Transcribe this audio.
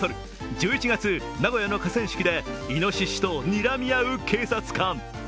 １１月、名古屋の河川敷でいのししとにらみ合う警察官。